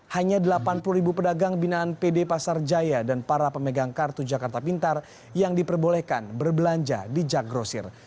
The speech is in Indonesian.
hanya delapan puluh ribu pedagang binaan pd pasar jaya dan para pemegang kartu jakarta pintar yang diperbolehkan berbelanja di jak grosir